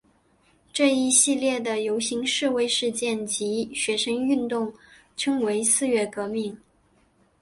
这一系列的游行示威事件及学生运动称为四月革命。